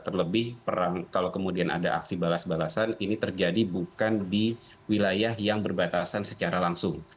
terlebih perang kalau kemudian ada aksi balas balasan ini terjadi bukan di wilayah yang berbatasan secara langsung